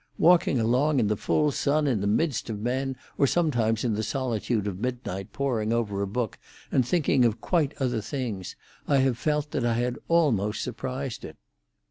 Walking along in the full sun, in the midst of men, or sometimes in the solitude of midnight, poring over a book, and thinking of quite other things, I have felt that I had almost surprised it."